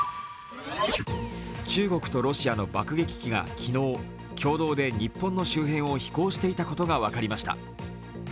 中国とロシアの爆撃機が昨日、共同で日本の周辺を飛行していたことが分かりました。